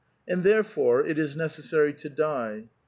And therefore it is necessiu y to die."